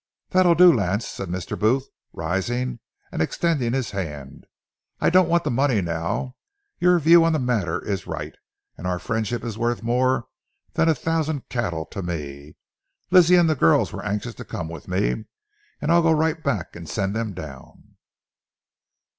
"That'll do, Lance," said Mr. Booth, rising and extending his hand. "I don't want the money now. Your view of the matter is right, and our friendship is worth more than a thousand cattle to me. Lizzie and the girls were anxious to come with me, and I'll go right back and send them down."